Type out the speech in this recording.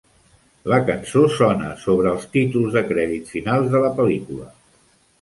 La cançó sona sobre els títols de crèdit finals de la pel·lícula.